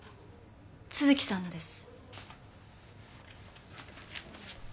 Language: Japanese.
都築さんのです。